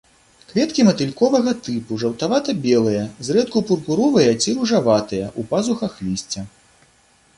Кветкі матыльковага тыпу, жаўтавата-белыя, зрэдку пурпуровыя ці ружаватыя, у пазухах лісця.